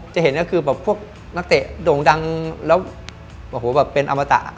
จะเห็นก็คือแบบพวกนักเตะโด่งดังแล้วโอ้โหแบบเป็นอมตะ